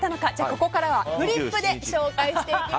ここからは、フリップで紹介していきます。